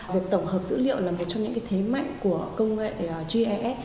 việc tổng hợp dữ liệu là một trong những thế mạnh của công nghệ gis